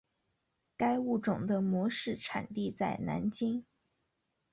该物种的模式产地在南京。